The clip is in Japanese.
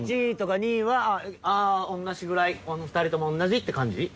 １位とか２位はああおんなじぐらい２人ともおんなじって感じ？